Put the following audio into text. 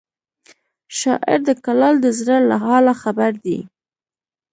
شاعر د کلال د زړه له حاله خبر دی